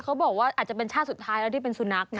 เขาบอกว่าอาจจะเป็นชาติสุดท้ายแล้วที่เป็นสุนัขนะ